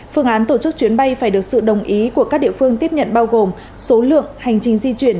phương án tổ chức chuyến bay phải được sự đồng ý của các địa phương tiếp nhận bao gồm số lượng hành trình di chuyển